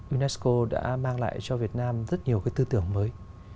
unesco đã mang lại cho việt nam rất nhiều cái tư tưởng mới